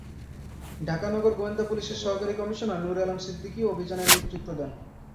ঢাকা নগর গোয়েন্দা পুলিশের সহকারী কমিশনার নূরে আলম সিদ্দিকী অভিযানের নেতৃত্ব দেন।